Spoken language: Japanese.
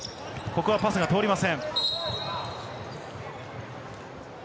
ここはパスが通りません。